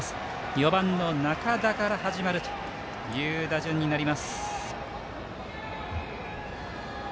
４番の仲田から始まるという打順になります。